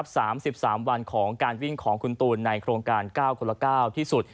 สามสิบสามวันของการวิ่งของคุณตูนในโครงการ๙คนละ๙ที่สุด